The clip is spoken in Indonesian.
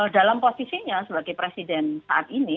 dalam posisinya sebagai presiden saat ini